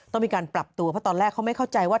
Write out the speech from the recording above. ต้องมีการปรับตัวเพราะตอนแรกเขาไม่เข้าใจว่า